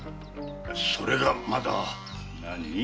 それがまだ。